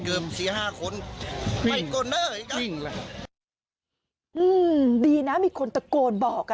อืมดีนะมีคนตะโกนบอกอ่ะ